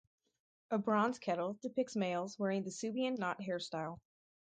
A bronze kettle depicts males wearing the Suebian knot hairstyle.